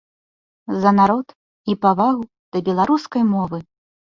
За народ і павагу да беларускай мовы.